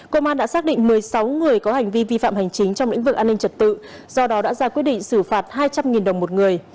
công an đã xác định một mươi sáu người có hành vi vi phạm hành chính trong lĩnh vực an ninh trật tự do đó đã ra quyết định xử phạt hai trăm linh đồng một người